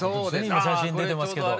今写真出てますけど。